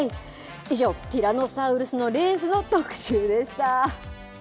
以上、ティラノサウルスのレースの特集でした。